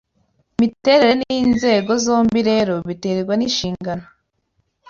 Imiterere n'inzego zombi rero biterwa n'inshingano